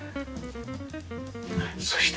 そして。